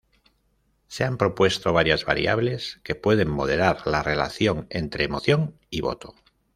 Se han propuesto varias variables que pueden moderar la relación entre emoción y voto.